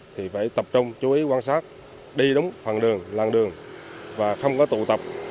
thì phải tập trung chú ý quan sát đi đúng phần đường làng đường và không có tụ tập